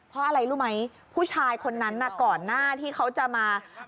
เพราะอะไรรู้ไหมผู้ชายคนนั้นน่ะก่อนหน้าที่เขาจะมา